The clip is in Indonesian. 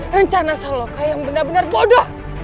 rencana saloka yang benar benar bodoh